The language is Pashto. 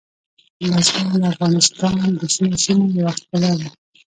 بزګان د افغانستان د شنو سیمو یوه ښکلا ده.